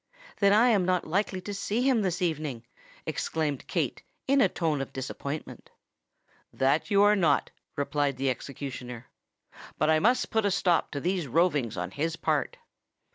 "Then I am not likely to see him this evening?" exclaimed Kate, in a tone of disappointment. "That you are not," replied the executioner. "But I must put a stop to these rovings on his part."